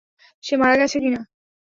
সে মারা গেছে কি না।